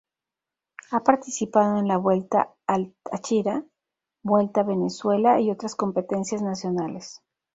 Ha participado en la Vuelta al Táchira, Vuelta a Venezuela y otras competencias nacionales.